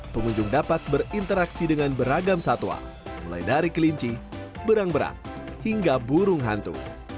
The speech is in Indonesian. pengunjung dapat berinteraksi dengan beragam satwa mulai dari kelinci berang berang hingga burung hantu